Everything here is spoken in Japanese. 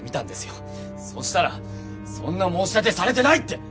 そしたらそんな申し立てされてないって！